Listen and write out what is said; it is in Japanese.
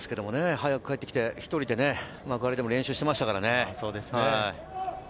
早く入って幕張でも練習していましたからね。